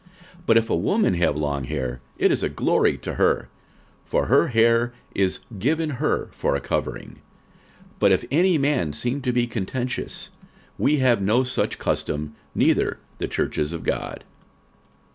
46:011:015 But if a woman have long hair, it is a glory to her: for her hair is given her for a covering. 46:011:016 But if any man seem to be contentious, we have no such custom, neither the churches of God.